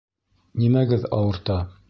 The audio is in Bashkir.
Нимәгеҙ ауырта?